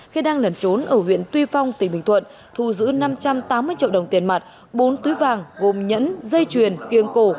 khi đang lẩn trốn ở huyện tuy phong tỉnh bình thuận thu giữ năm trăm tám mươi triệu đồng tiền mặt bốn túi vàng gồm nhẫn dây chuyền kiêng cổ